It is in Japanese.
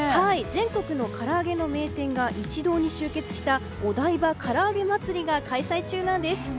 全国のからあげの名店が一堂に集結したお台場からあげ祭が開催中なんです。